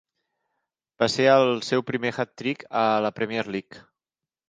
Va ser el seu primer hat-trick a la Premier League.